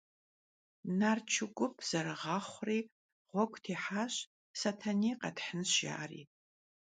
Nart şşu gup şşesri ğuegu têhaş: – Setenêy khethınş, – jjari.